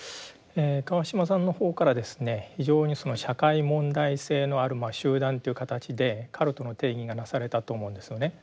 川島さんの方からですね非常に社会問題性のある集団という形でカルトの定義がなされたと思うんですよね。